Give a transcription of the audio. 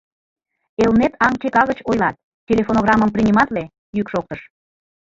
— Элнет аҥ чека гыч ойлат... телефонограммым приниматле, — йӱк шоктыш.